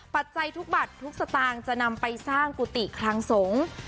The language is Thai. จัยทุกบัตรทุกสตางค์จะนำไปสร้างกุฏิคลังสงฆ์